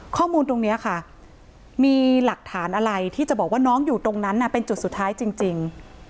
ข้อมูลตรงนี้ค่ะมีหลักฐานอะไรที่จะบอกว่าน้องอยู่ตรงนั้นเป็นจุดสุดท้ายจริง